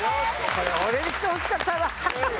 これ俺に来てほしかったな。